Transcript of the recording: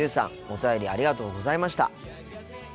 お便りありがとうございました。